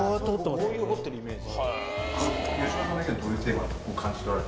こういう彫ってるイメージ。